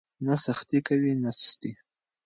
نه سختي کوئ نه سستي.